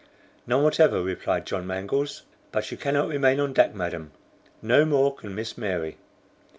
"None whatever," replied John Mangles; "but you cannot remain on deck, madam, no more can Miss Mary."